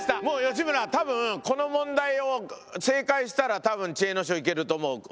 もう吉村多分この問題を正解したら多分知恵の書いけると思う。